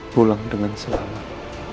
pulang dengan selamat